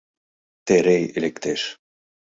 Терей лектеш.